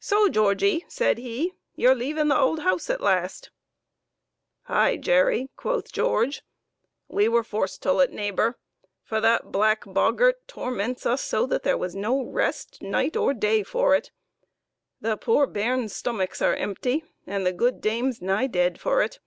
"So, Georgie," said he, "you're leavin' th' ould house at last ?"" High, Jerry," quoth Georgie. " We were forced tull it, neighbor, for that black bog gart torments us so that there was no rest night nor day for it. The poor bairns' stomachs are empty, and the good dame's nigh dead for it.